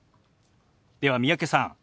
では三宅さん